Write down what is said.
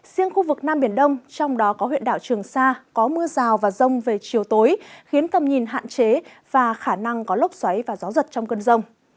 riêng khu vực nam biển đông trong đó có huyện đảo trường sa có mưa rào và rông về chiều tối khiến tầm nhìn hạn chế và khả năng có lốc xoáy và gió giật trong cơn rông